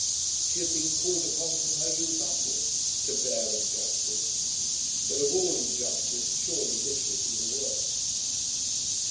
She had been called upon from her youth upwards to bear injustice, but of all injustice surely this would be the worst.